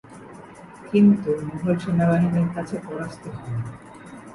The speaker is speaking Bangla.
কিন্তু মুঘল সেনাবাহিনীর কাছে পরাস্ত হন।